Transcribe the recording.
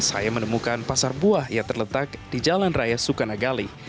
saya menemukan pasar buah yang terletak di jalan raya sukanagali